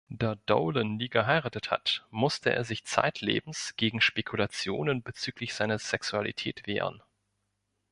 Da Dolan nie geheiratet hat, musste er sich zeitlebens gegen Spekulationen bezüglich seiner Sexualität wehren.